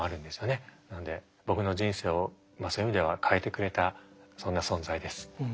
なので僕の人生をそういう意味では変えてくれたそんな存在です。